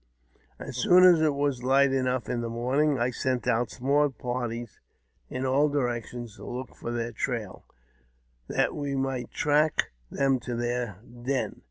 As soon as it was light enough in the morning, I sent out small parties in all directions to look for their trail, that we might track them to their den.